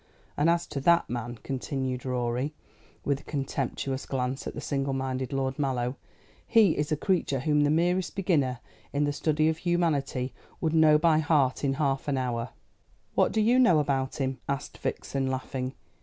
And as to that man," continued Rorie, with a contemptuous glance at the single minded Lord Mallow, "he is a creature whom the merest beginner in the study of humanity would know by heart in half an hour." "What do you know about him?" asked Vixen laughing.